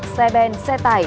xe bèn xe tải